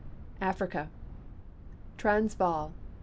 AFRICA Transvaal.